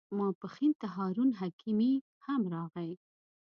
ماپښین ته هارون حکیمي هم راغی.